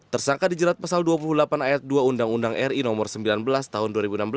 tersangka dijerat pasal dua puluh delapan ayat dua undang undang ri nomor sembilan belas tahun dua ribu enam belas